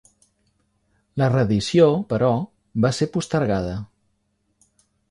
La reedició, però, va ser postergada.